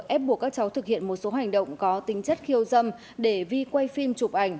ép buộc các cháu thực hiện một số hành động có tính chất khiêu dâm để vi quay phim chụp ảnh